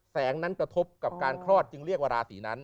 แสงนั้นกระทบกับการคลอดจึงเรียกว่าราศีนั้น